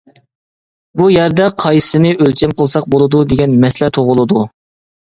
بۇ يەردە قايسىنى ئۆلچەم قىلساق بولىدۇ دېگەن مەسىلە تۇغۇلىدۇ.